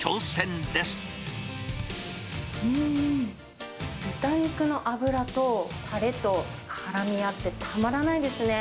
うん、豚肉の脂と、たれと、からみ合って、たまらないですね。